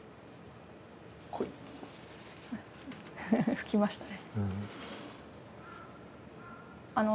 拭きましたね。